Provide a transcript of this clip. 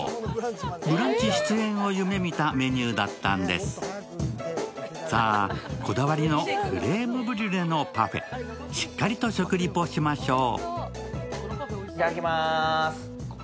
「ブランチ」出演を夢見たメニューだったんですさあ、こだわりのクレームブリュレのパフェしっかりと食リポしましょう。